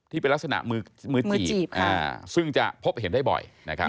ที่เป็นลักษณะมือจีบซึ่งจะพบเห็นได้บ่อย